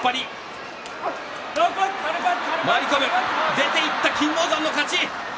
出ていった金峰山の勝ち。